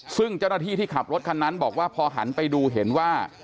ซึ่งเจ้าหน้าที่ที่ขับรถคันนั้นบอกว่าพอหันไปดูเห็นว่า